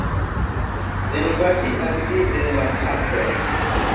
Enbati al si en la kapon.